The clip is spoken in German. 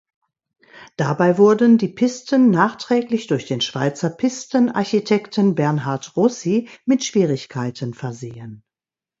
Dabei wurden die Pisten nachträglich durch den Schweizer Pisten-Architekten Bernhard Russi mit Schwierigkeiten versehen.